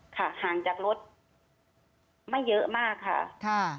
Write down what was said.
ค่ะห่างจากรถไม่เยอะมากค่ะค่ะ